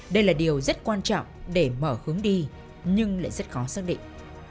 đây là điều rất quan trọng để mở hướng đi nhưng lại rất khó xác định